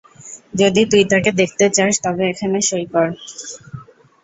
যদি তুই তাকে দেখতে চাস তবে এখানে সঁই কর।